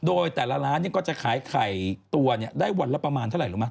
โดยแต่ละร้านก็จะขายไข่ตัวได้วันละประมาณเท่าไหร่มั